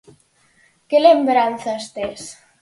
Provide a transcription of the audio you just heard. Que lembranzas tes?